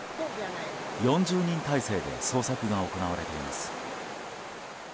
４０人態勢で捜索が行われています。